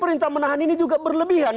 perintah menahan ini juga berlebihan